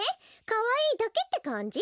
かわいいだけってかんじ？